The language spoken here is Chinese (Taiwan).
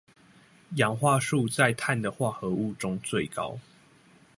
氧化數在碳的化合物中最高